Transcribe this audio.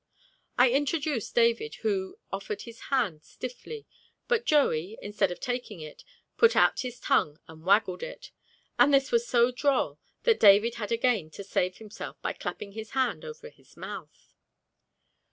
I introduced David, who offered his hand stiffly, but Joey, instead of taking it, put out his tongue and waggled it, and this was so droll that David had again to save himself by clapping his hand over his mouth.